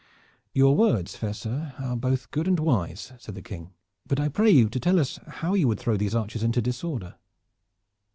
"Your words, fair sir, are both good and wise," said the King, "but I pray you to tell us how you would throw these archers into disorder?"